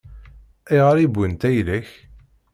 Ayɣer i wwint ayla-k?